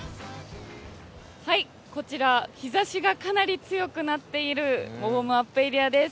こちら日ざしがかなり強くなっているウォームアップエリアです。